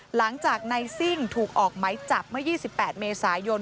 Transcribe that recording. หลังจากนายซิ่งถูกออกไหมจับเมื่อ๒๘เมษายน